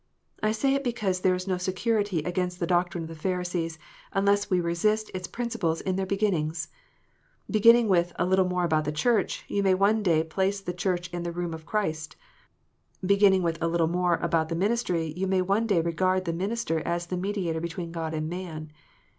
I say it because there is no security against the doctrine of the Pharisees, unless we resist its prin ciples in their beginnings. Beginning with a " little more about the Church," you may one day place the Churcli in the room of Christ. Beginning with a " little more about the ministry," you may one day regard the minister as "the mediator between God and man."